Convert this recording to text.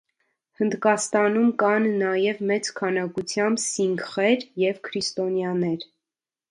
Հնդկաստանում կան նաև մեծ քանակությամբ սինգխեր և քրիստոնյաներ։